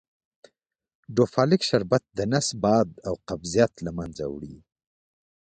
ډوفالک شربت دنس باد او قبضیت له منځه وړي .